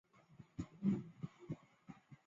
最高军职官员为。